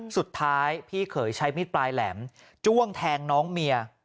สุดท้ายพี่เขยใช้มิตรปลายแหลมจ้วงแทงน้องเมีย